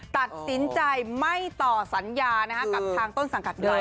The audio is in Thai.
ตัดสินใจไม่ต่อสัญญากับทางต้นสังกัดเดิม